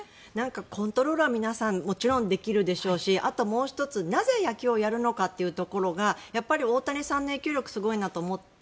コントロールは皆さん、できるでしょうしあとはもう１つ、なぜ野球をやるのかというところがやっぱり大谷さんの影響力がすごいと思って。